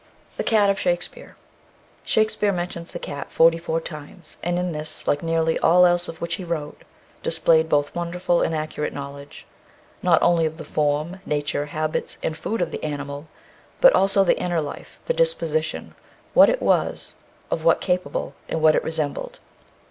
THE CAT OF SHAKESPEARE. Shakespeare mentions the cat forty four times, and in this, like nearly all else of which he wrote, displayed both wonderful and accurate knowledge, not only of the form, nature, habits, and food of the animal, but also the inner life, the disposition, what it was, of what capable, and what it resembled.